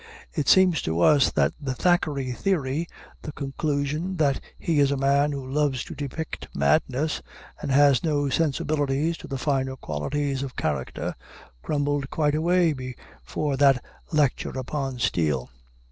It seems to us that the Thackeray theory the conclusion that he is a man who loves to depict madness, and has no sensibilities to the finer qualities of character crumbled quite away before that lecture upon Steele.